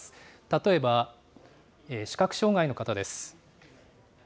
例えば視覚障害の方です。